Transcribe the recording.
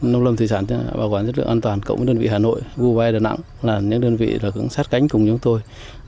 nông lâm thủy sản bảo quản chất lượng an toàn cộng với đơn vị hà nội vua e đà nẵng là những đơn vị sát cánh cùng chúng tôi